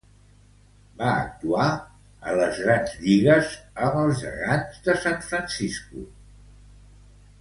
Va actuar a les Grans Lligues amb els Gegants de San Francisco.